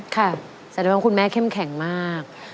แสดงว่าคุณแม่เข้มแข็งมาก